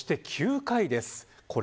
そして、９回です。